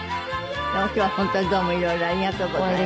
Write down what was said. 今日は本当にどうも色々ありがとうございました。